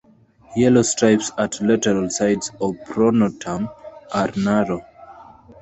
Yellow stripes at lateral sides of pronotum are narrow.